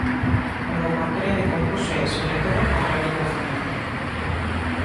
Convocatoria de concurso e, sobre todo, a través de orzamento.